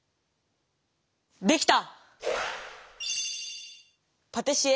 できた！